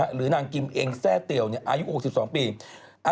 หรือนางกิมเองแทร่เตียวอายุ๖๒ปี